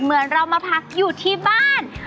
เหมือนเรามาพักอยู่ที่บ้าน